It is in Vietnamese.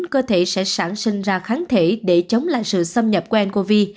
cơ thể sẽ sản sinh ra kháng thể để chống lại sự xâm nhập của ncov